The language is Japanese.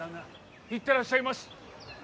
行ってらっしゃいまし！